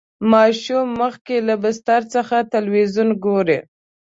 ماشوم مخکې له بستر څخه تلویزیون ګوري.